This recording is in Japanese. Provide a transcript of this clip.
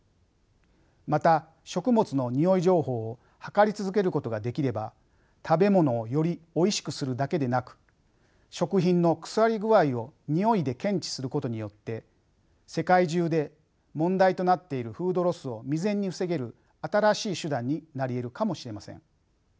また食物のにおい情報を測り続けることができれば食べ物をよりおいしくするだけでなく食品の腐り具合をにおいで検知することによって世界中で問題となっているフードロスを未然に防げる新しい手段になりえるかもしれません。